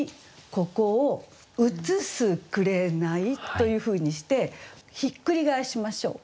ここを「映すくれなゐ」というふうにしてひっくり返しましょう。